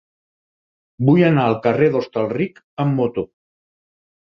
Vull anar al carrer d'Hostalric amb moto.